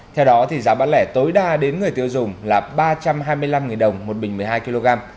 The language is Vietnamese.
theo đó giá bán lẻ tối đa đến người tiêu dùng là ba trăm hai mươi năm đồng một bình một mươi hai kg